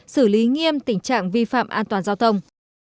xử lý nghiêm tình trạng vi phạm an toàn giao thông